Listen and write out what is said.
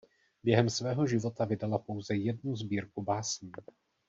Během svého života vydala pouze jednu sbírku básní.